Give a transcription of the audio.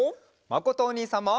まことおにいさんも！